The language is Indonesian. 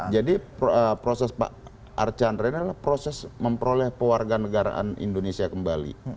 jadi proses pak archandra ini adalah proses memperoleh pewarga negaraan indonesia kembali